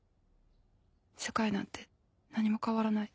世界なんて何も変わらない。